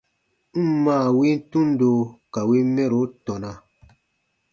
N ǹ maa win tundo ka win mɛro tɔna.